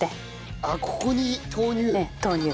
あっここに投入？